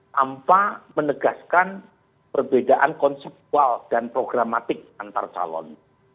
tanpa menegaskan perbedaan konsepual dan programatik antar calon